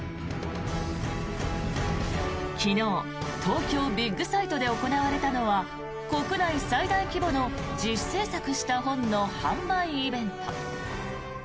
昨日東京ビッグサイトで行われたのは国内最大規模の自主制作した本の販売イベント。